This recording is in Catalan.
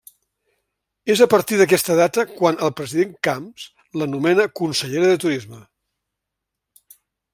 És a partir d'aquesta data quan el president Camps la nomena consellera de Turisme.